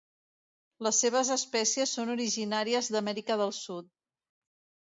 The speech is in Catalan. Les seves espècies són originàries d'Amèrica del Sud.